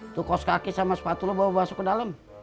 tukos kaki sama sepatu lu bawa bawa masuk ke dalam